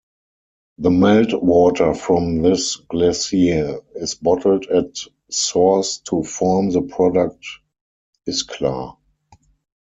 The melt-water from this glacier is bottled at source to form the product Isklar.